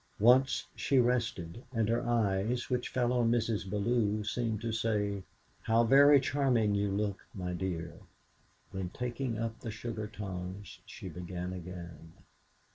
Once she rested, and her eyes, which fell on Mrs. Bellow, seemed to say: "How very charming you look, my dear!" Then, taking up the sugar tongs, she began again.